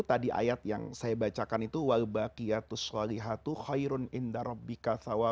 tadi ayatnya keutamaannya adalah kita akan selalu merasa bersama allah oleh karena itu tadi ayatnya